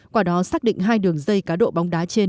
quả đó xác định hai đường dây cá độ bóng đá trên